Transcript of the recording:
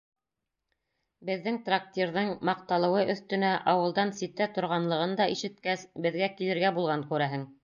Беҙҙең трактирҙың, маҡталыуы өҫтөнә, ауылдан ситтә торғанлығын да ишеткәс, беҙгә килергә булған, күрәһең.